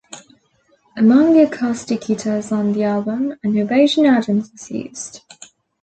Among the acoustic guitars on the album, an Ovation Adamas was used.